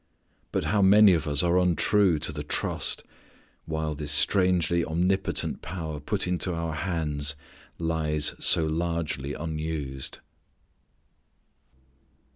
But how many of us are untrue to the trust, while this strangely omnipotent power put into our hands lies so largely unused.